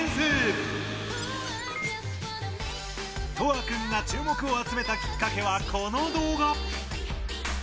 とあくんが注目を集めたきっかけは、この動画。